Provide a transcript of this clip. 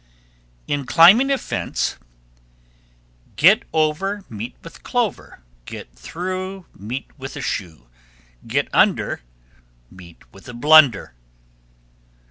In climbing a fence, Get over, meet with clover, Get through, meet with a shoe; Get under, meet with a blunder.